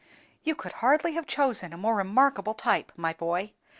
"You could hardly have chosen a more remarkable type, my boy.